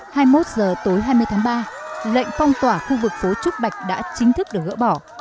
hai mươi một h tối hai mươi tháng ba lệnh phong tỏa khu vực phố trúc bạch đã chính thức được gỡ bỏ